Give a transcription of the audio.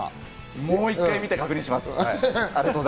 もう１回見て確認します。